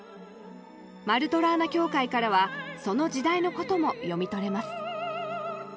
マルトラーナ教会からはその時代のことも読み取れます。